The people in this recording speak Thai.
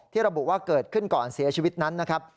ระบุว่าเกิดขึ้นก่อนเสียชีวิตนั้นนะครับ